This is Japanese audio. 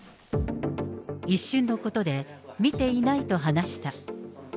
一瞬のことで、見ていないと話した。